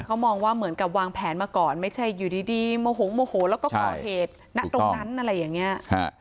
เขามองว่าเหมือนกับวางแผนมาก่อนไม่ใช่อยู่ดีโมหงโมโหแล้วก็ก่อเหตุณตรงนั้นอะไรอย่างนี้